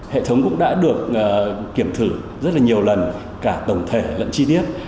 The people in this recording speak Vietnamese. hệ thống cũng đã được kiểm thử rất là nhiều lần cả tổng thể lẫn chi tiết